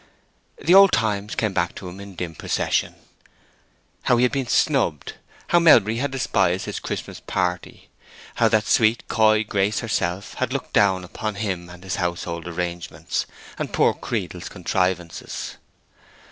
The old times came back to him in dim procession. How he had been snubbed; how Melbury had despised his Christmas party; how that sweet, coy Grace herself had looked down upon him and his household arrangements, and poor Creedle's contrivances!